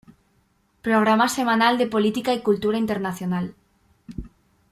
Programa semanal de política y cultura internacional.